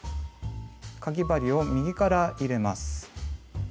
かぎ針を右から入れます。